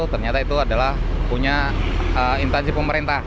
ternyata itu adalah punya intansi pemerintah